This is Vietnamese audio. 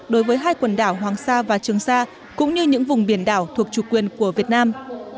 đối với hai quần đảo hoàng sa và trường sa cũng như những vùng biển đảo thuộc chủ quyền của việt nam